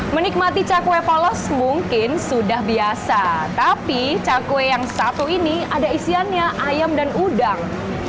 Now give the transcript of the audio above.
menikmati cakwe polos mungkin sudah biasa tapi cakwe yang satu ini ada isiannya ayam dan udang